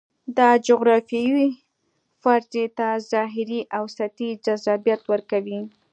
دا جغرافیوي فرضیې ته ظاهري او سطحي جذابیت ورکوي.